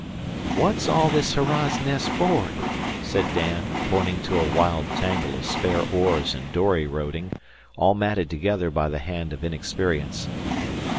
"What's all this hurrah's nest for'ard?" said Dan, pointing to a wild tangle of spare oars and dory roding, all matted together by the hand of inexperience.